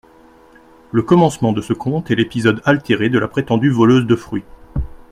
Le commencement de ce conte est l'épisode altéré de la prétendue voleuse de fruits.